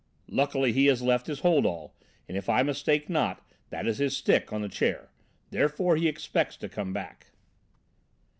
"Luckily he has left his hold all, and if I mistake not, that is his stick on the chair. Therefore he expects to come back."